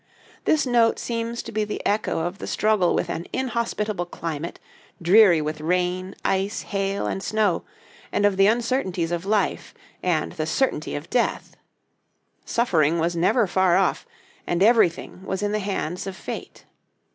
This note seems to be the echo of the struggle with an inhospitable climate, dreary with rain, ice, hail, and snow; and of the uncertainties of life, and the certainty of death. Suffering was never far off, and everything was in the hands of Fate.